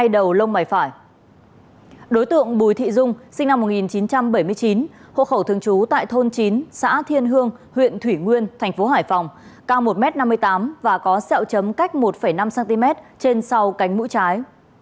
đối tượng bùi thị dung sinh năm một nghìn chín trăm bảy mươi chín hộ khẩu thường trú tại thôn chín xã thiên hương huyện thủy nguyên thành phố hải phòng cao một m năm mươi tám và có sẹo chấm cách một năm cm trên sau cánh mũi trái